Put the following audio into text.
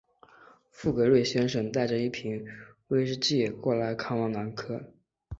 富格瑞先生带着一瓶威士忌过来看望柯南。